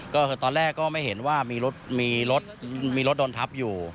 ก็คือตอนแรกก็ไม่เห็นว่ามีรถมีรถโดนทับอยู่